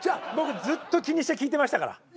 僕ずっと気にして聞いてましたから。